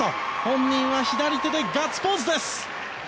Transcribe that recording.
本人は左手でガッツポーズです。